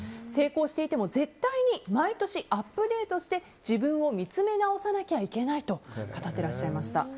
成功していても絶対に毎年アップデートして自分を見つめ直さなきゃいけないと語っていらっしゃいました。